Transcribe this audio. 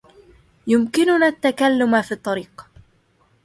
يمكننا التّكلّم في الطّريق.